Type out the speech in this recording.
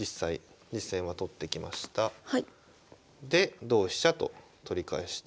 で同飛車と取り返して。